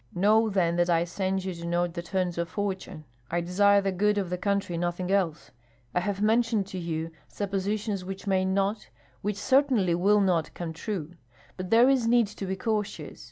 Know then that I send you to note the turns of fortune. I desire the good of the country, nothing else. I have mentioned to you suppositions which may not, which certainly will not, come true. But there is need to be cautious.